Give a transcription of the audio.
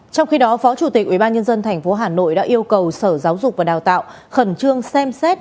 trong khi đó phó chủ tịch ubnd tp hà nội đã yêu cầu sở giáo dục và đào tạo khẩn trương xem xét